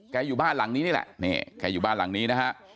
อยู่บ้านหลังนี้นี่แหละนี่แกอยู่บ้านหลังนี้นะฮะ